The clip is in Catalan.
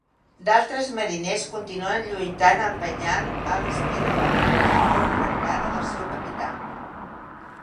D'altres mariners continuen lluitant al penyal, a l'espera d'alguna ordre clara del seu capità.